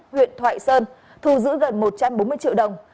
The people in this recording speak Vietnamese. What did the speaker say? huyện thoại sơn thu giữ gần một trăm bốn mươi triệu đồng